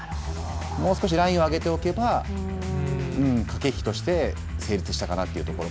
もう少しラインを上げておけば駆け引きとして成立したかなというところ。